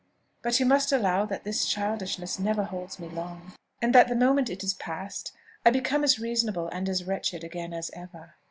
But you must allow that this childishness never holds me long, and that the moment it is past I become as reasonable and as wretched again as ever."